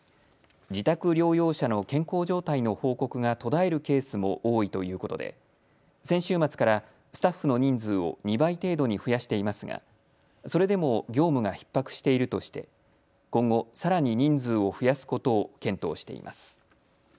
自宅療養者の健康状態の報告が途絶えるケースも多いということで先週末からスタッフの人数を２倍程度に増やしていますがそれでも業務がひっ迫しているとして今後さらに人数を増やすことを検討しています。